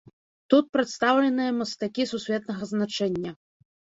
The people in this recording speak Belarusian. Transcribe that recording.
Тут прадстаўленыя мастакі сусветнага значэння.